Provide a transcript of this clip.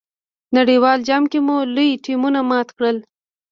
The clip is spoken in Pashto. نړیوال جام کې مو لوی ټیمونه مات کړل.